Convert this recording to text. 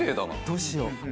どうしよう？